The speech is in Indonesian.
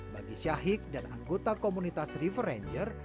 bagi syahik dan anggota komunitas river ranger